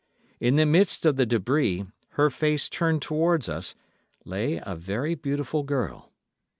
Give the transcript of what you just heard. In the midst of the debris, her face turned towards us, lay a very beautiful girl.